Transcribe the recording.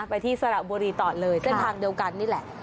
ไปที่สระบุรีต่อเลยเส้นทางเดียวกันนี่แหละ